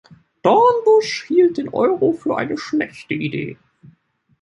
Dornbusch hielt den Euro für eine schlechte Idee.